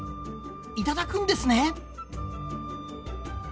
いただくんですね。